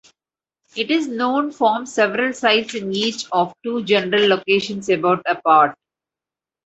It is known from several sites in each of two general locations about apart.